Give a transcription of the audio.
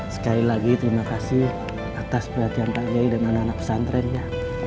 sekali lagi terima kasih atas perhatian pak yai dan anak anak santren ya